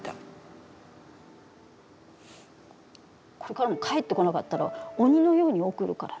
これからも、帰ってこなかったら鬼のように送るから。